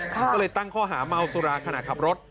ก็เลยตั้งข้อหาเมาสุราขณะขับรถ